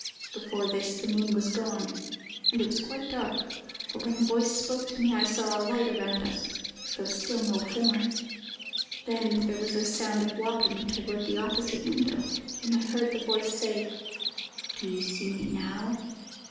"Before this, the moon was gone, and it was quite dark; but when the voice spoke to me, I saw a light around us, though still no form. Then there was a sound of walking toward the opposite window, and I heard the voice say, 'Do you see me now?